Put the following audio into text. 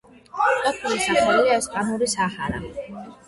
ყოფილი სახელია ესპანური საჰარა.